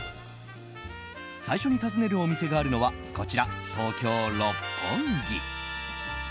最初に訪ねるお店があるのはこちら東京・六本木。